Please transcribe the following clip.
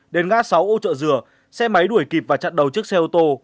đến ngã sáu âu trợ dừa xe máy đuổi kịp và chặn đầu trước xe ô tô